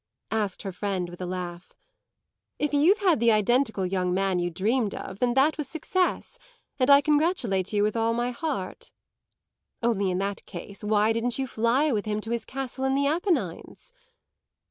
asked her friend with a laugh. "If you've had the identical young man you dreamed of, then that was success, and I congratulate you with all my heart. Only in that case why didn't you fly with him to his castle in the Apennines?"